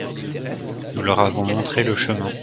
nous leur avons montré le chemin.